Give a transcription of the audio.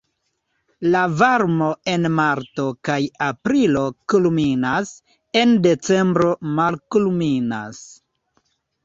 La varmo en marto kaj aprilo kulminas, en decembro malkulminas.